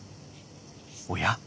おや？